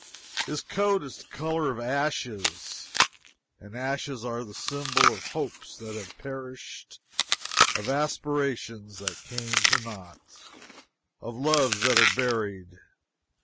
His coat is the color of ashes: and ashes are the symbol of hopes that have perished, of aspirations that came to nought, of loves that are buried.